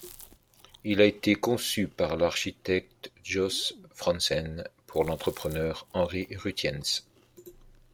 Il a été conçu par l'architecte Josse Franssen pour l'entrepreneur Henri Ruttiens.